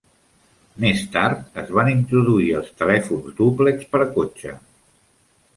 Més tard, es van introduir els telèfons dúplex per a cotxe.